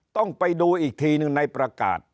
ต้องไปดูอีกทีหนึ่งในประกาศ